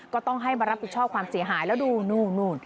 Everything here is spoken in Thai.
ก็ต้องให้มารับผิดชอบความเสียหายแล้วดูนู่น